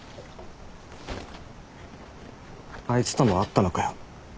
あいつとも会ったのかよ。